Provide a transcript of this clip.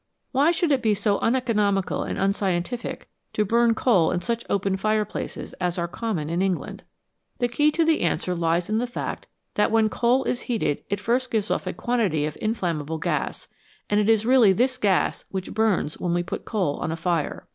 Why should it be so uneconomical and unscientific to burn coal in such open fireplaces as are common in England ? The key to the answer lies in the fact that when coal is heated it first gives off a quantity of in flammable gas, and it is really this gas which burns when we put coal on a fire.